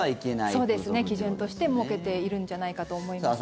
そうですね、基準として設けているんじゃないかと思います。